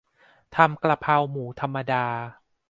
ทำกระเพราหมูธรรมดา